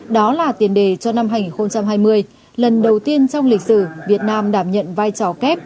đó là tiền đề cho năm hai nghìn hai mươi lần đầu tiên trong lịch sử việt nam đảm nhận vai trò kép